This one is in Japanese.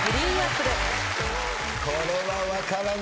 これは分からない。